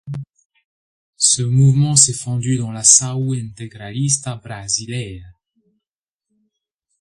Ce mouvement s'est fondu dans l'Ação Integralista Brasileira.